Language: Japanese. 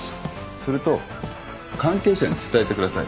それと関係者に伝えてください。